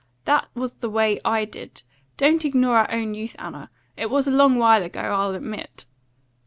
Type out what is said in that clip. That was the way I did. Don't ignore our own youth, Anna. It was a long while ago, I'll admit."